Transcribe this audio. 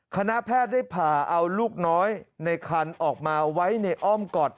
คณะแพทย์ได้ผ่าเอาลูกน้อยในคันออกมาไว้ในอ้อมกอด